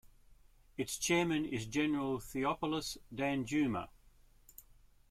Its chairman is General Theophilus Danjuma.